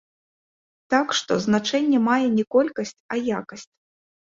Так што, значэнне мае не колькасць, а якасць.